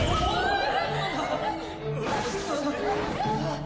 あっ。